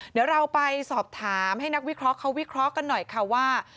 เดี๋ยวเราไปสอบถามให้นักวิเคราะห์เขาวิเคราะห์กันหน่อยค่ะว่า